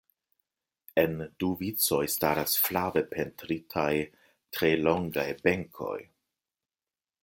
En du vicoj staras flave pentritaj tre longaj benkoj.